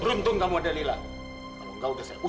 aku nimbak dia keponang evie